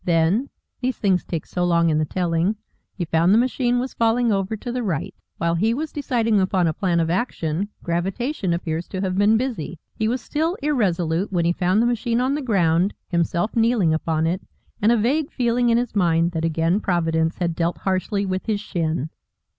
Then these things take so long in the telling he found the machine was falling over to the right. While he was deciding upon a plan of action, gravitation appears to have been busy. He was still irresolute when he found the machine on the ground, himself kneeling upon it, and a vague feeling in his mind that again Providence had dealt harshly with his shin.